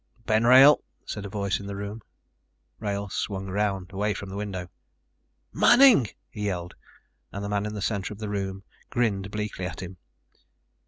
"Ben Wrail," said a voice in the room. Wrail swung around, away from the window. "Manning!" he yelled, and the man in the center of the room grinned bleakly at him.